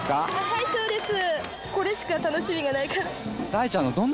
はいそうです。